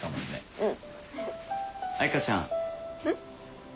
うん。